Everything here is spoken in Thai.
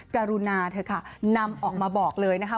กรุณาเถอะค่ะนำออกมาบอกเลยนะคะ